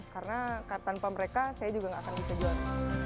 karena tanpa mereka saya juga nggak akan bisa juara